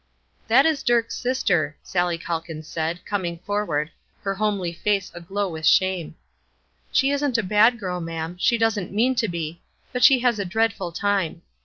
"That is Dirk's sister," Sallie Calkins said, coming forward, her homely face aglow with shame. "She isn't a bad girl, ma'am, she doesn't mean to be, but she has a dreadful time.